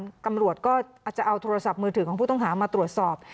ตำรวจก็อาจจะเอาโทรศัพท์มือถือของผู้ต้องหามาตรวจสอบ